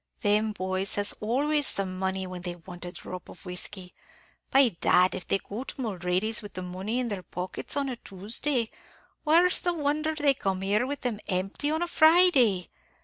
"Them boys has always the money when they want a drop of whiskey. By dad, if they go to Mulready's with the money in their pockets on a Tuesday, where's the wonder they come here with them empty on a Friday?